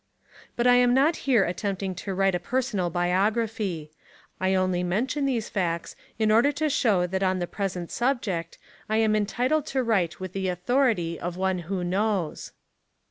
But I am not here attempting to write a personal biography. I only mention these facts in order to show that on the present subject I am entitled to write with the authority of one who knows.